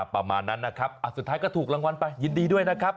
ประมาณนั้นนะครับสุดท้ายก็ถูกรางวัลไปยินดีด้วยนะครับ